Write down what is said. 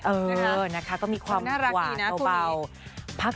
เออนะคะก็มีความหวานเบาน่ารักอีกนะคุณ